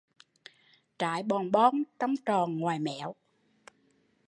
Trái bòn bon trong tròn ngoài méo